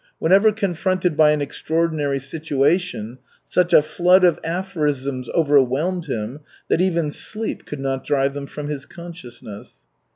Whenever confronted by an extraordinary situation, such a flood of aphorisms overwhelmed him that even sleep could not drive them from his consciousness.